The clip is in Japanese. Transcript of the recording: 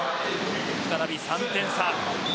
再び３点差。